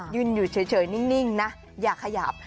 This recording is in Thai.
ยืนอยู่เฉยนิ่งนะอย่าขยับ